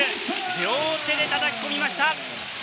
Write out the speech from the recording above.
両手で叩き込みました。